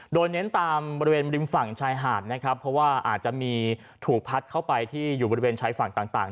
โดยเน้นตามบริเวณริมฝั่งชายหาดนะครับเพราะว่าอาจจะมีถูกพัดเข้าไปที่อยู่บริเวณชายฝั่งต่าง